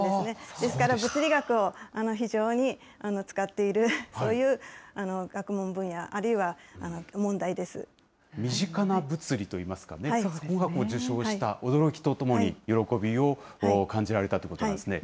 ですから、物理学を非常に使っている、そういう学問分野、身近な物理といいますかね、そこが受賞した驚きとともに、喜びを感じられたということなんですね。